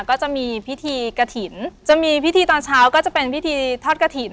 ก็จะมีพิธีกระถิ่นจะมีพิธีตอนเช้าก็จะเป็นพิธีทอดกระถิ่น